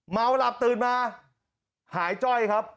เมาหลับตื่นมาหายจ้อยครับ